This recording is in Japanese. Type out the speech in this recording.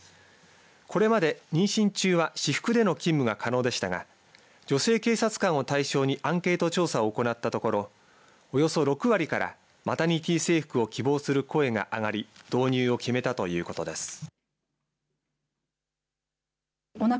これまで妊娠中は私服での勤務が可能でしたが女性警察官を対象にアンケート調査を行ったところおよそ６割からマタニティー制服を希望する声が上がり導入を決めたということです。